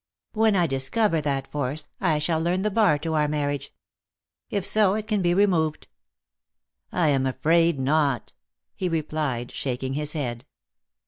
When I discover that force, I shall learn the bar to our marriage. If so, it can be removed." "I am afraid not," he replied, shaking his head.